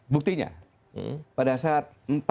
buktinya pada saat empat sebelas